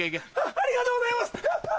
ありがとうございます！